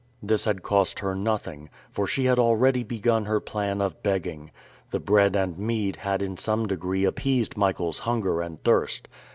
This had cost her nothing, for she had already begun her plan of begging. The bread and mead had in some degree appeased Michael's hunger and thirst.